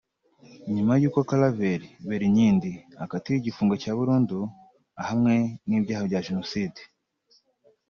nyuma y’uko Claver Berinkindi akatiwe igifungo cya burundu ahamwe n’ibyaha bya Jenoside